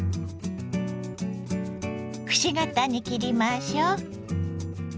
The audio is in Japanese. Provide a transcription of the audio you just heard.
くし形に切りましょう。